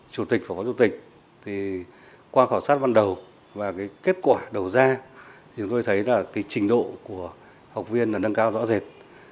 chủ tịch và phó chủ tịch thì qua khảo sát văn đầu và kết quả đầu ra thì tôi thấy là trình độ của học viên là nâng cao rõ rệt